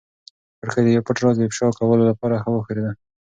کړکۍ د یو پټ راز د افشا کولو لپاره لږه وښورېده.